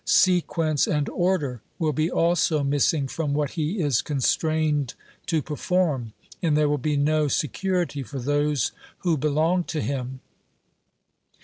Sequence and order will be also missing from what he is constrained to perform, and there v.'ill be no security for those who belong to him.